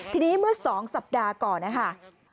ทีนี้เมื่อ๒สัปดาห์ก่อนนะคะ